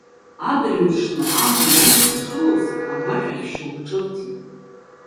Адырҩаҽны амра аныҩхашылоз, агәашә ахь шьоук ҿырҭит.